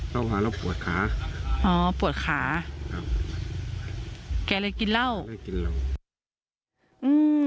เราหาเราปวดขาอ๋อปวดขาครับแกเลยกินเหล้าเลยกินเหล้าอืม